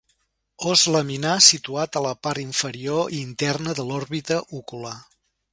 Os laminar situat a la part inferior i interna de l'òrbita ocular.